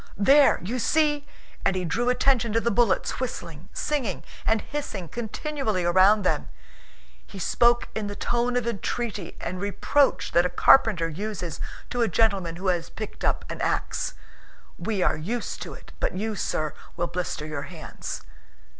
"There, you see!" and he drew attention to the bullets whistling, singing, and hissing continually around them. He spoke in the tone of entreaty and reproach that a carpenter uses to a gentleman who has picked up an ax: "We are used to it, but you, sir, will blister your hands."